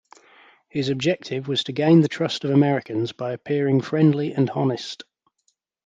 His objective was to gain the trust of Americans by appearing friendly and honest.